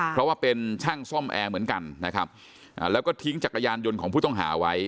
เพราะว่าเป็นช่างซ่อมแอร์เหมือนกันนะครับแล้วก็ทิ้งจักรยานยนต์ของผู้ต้องหาไว้